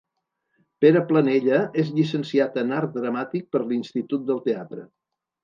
Pere Planella és Llicenciat en Art Dramàtic per l'Institut del Teatre.